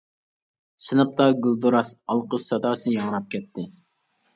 سىنىپتا گۈلدۈراس ئالقىش ساداسى ياڭراپ كەتتى.